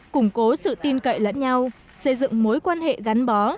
củng cố sự tin cậy lẫn nhau xây dựng mối quan hệ gắn bó